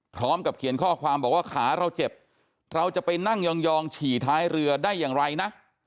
พร้อมกับเขียนข้อความบอกว่าขาเราเจ็บเราจะไปนั่งยองฉี่ท้ายเรือได้อย่างไรนะ